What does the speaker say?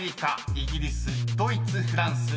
「イギリス」「ドイツ」「フランス」］